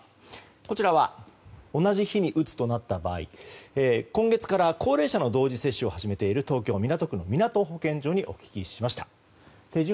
こちらは同じ日に打つとなった場合今月から高齢者の同時接種を始めている東京・港区のみなと保健所にお話を聞きました。